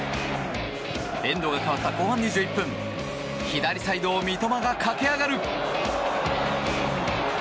エンドが変わった後半２１分左サイドを三笘が駆け上がる！